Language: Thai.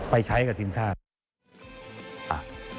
ไปใช้กับทีมบ้านชาติ